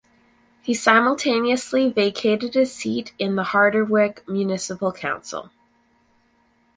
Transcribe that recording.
He simultaneously vacated his seat in the Harderwijk municipal council.